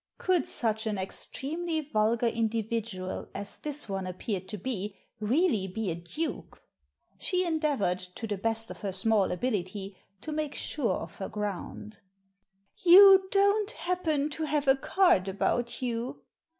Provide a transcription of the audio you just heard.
Could such an extremely vulgar individual as this one appeared to be really be a duke? She endeavoured, to the best of her small ability, to make sure of her ground. Digitized by VjOOQIC THE DUKE 301 '* You don't happen to have a card about you